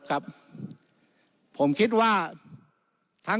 วุฒิสภาจะเขียนไว้ในข้อที่๓๐